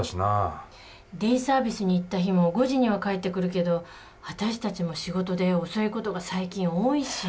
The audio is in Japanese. デイサービスに行った日も５時には帰ってくるけど私たちも仕事で遅い事が最近多いし。